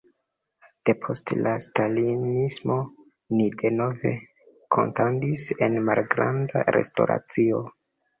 Depost la stalinismo li denove kantadis en malgranda restoracio.